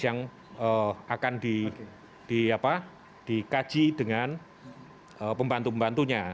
yang akan dikaji dengan pembantu pembantunya